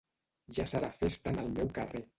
Ja serà festa en el meu carrer.